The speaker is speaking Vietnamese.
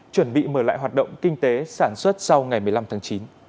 chuẩn bị mở lại hoạt động kinh tế sản xuất sau ngày một mươi năm tháng chín